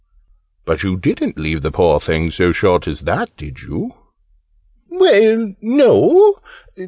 "But you didn't leave the poor thing so short as that, did you?" "Well, no.